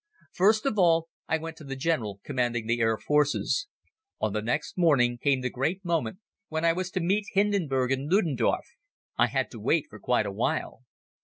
First of all I went to the General commanding the Air Forces. On the next morning came the great moment when I was to meet Hindenburg and Ludendorf. I had to wait for quite a while.